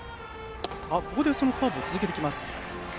ここでそのカーブを続けてきます。